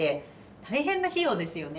大変な費用ですよね。